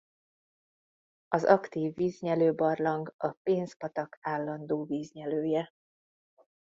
Az aktív víznyelőbarlang a Pénz-patak állandó víznyelője.